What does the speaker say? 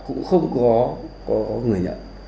cũng không có người nhận